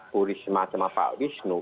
kurisma sama pak wisnu